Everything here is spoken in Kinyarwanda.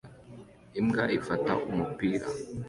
Imbwa ifata umupira